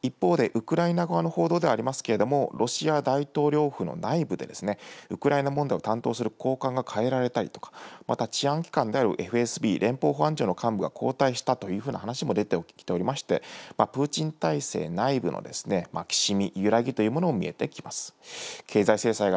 一方で、ウクライナ側の報道ではありますけれども、ロシア大統領府の内部で、ウクライナ問題を担当する高官がかえられたりとか、また治安機関であるＦＳＢ・連邦保安庁の長官が交代したというふうな話も出てきておりまして、プーチン体制内部のきしみ、揺らぎというのも見えてきます。